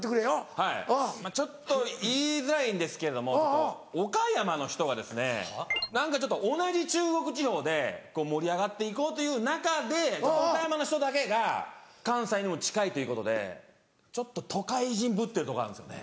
はいまぁちょっと言いづらいんですけども岡山の人が何かちょっと同じ中国地方で盛り上がって行こうという中で岡山の人だけが関西にも近いということでちょっと都会人ぶってるところがあるんですよね。